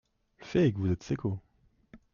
L’ fait est que vous êtes seccot…